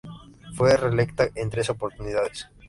Fue reelecta en tres oportunidades.